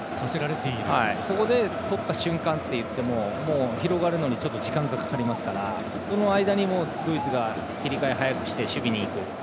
そこで、とった瞬間といっても広がるのに時間がかかりますからその間にドイツが切り替え早くして守備に行くと。